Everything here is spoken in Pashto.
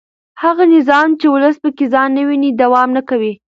هغه نظام چې ولس پکې ځان نه ویني دوام نه کوي